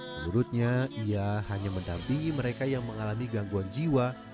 menurutnya ia hanya mendampingi mereka yang mengalami gangguan jiwa